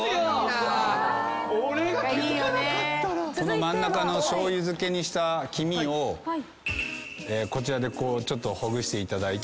この真ん中の醤油漬けにした黄身をこちらでちょっとほぐしていただいて。